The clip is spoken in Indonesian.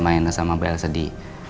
bahkan sosial plamen também sampai